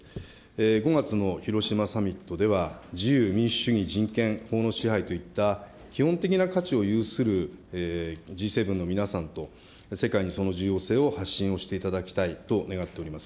５月の広島サミットでは、自由民主主義、人権、法の支配といった基本的な価値を有するＧ７の皆さんと、世界にその重要性を発信をしていただきたいと願っております。